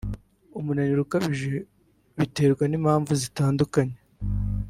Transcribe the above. umunananiro ukabije bitewe n’impamvu zitandukanye